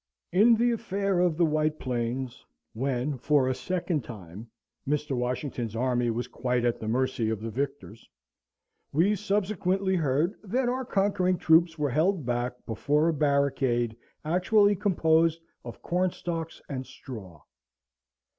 In the affair of the White Plains, when, for a second time, Mr. Washington's army was quite at the mercy of the victors, we subsequently heard that our conquering troops were held back before a barricade actually composed of cornstalks and straw.